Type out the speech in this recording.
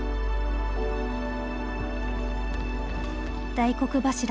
大黒柱